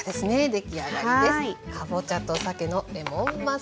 出来上がりです。